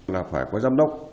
là phải có giám đốc